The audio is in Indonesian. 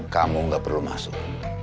kamu nggak perlu masuk